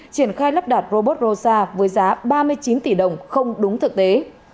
triển khai lắp đặt robot rosa với giá ba mươi chín tỷ đồng không đúng thực tế